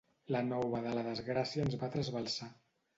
La nova de la desgràcia ens va trasbalsar.